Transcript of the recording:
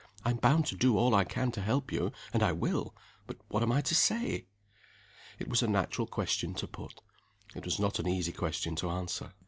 "I'm bound to do all I can do to help you, and I will. But what am I to say?" It was a natural question to put. It was not an easy question to answer.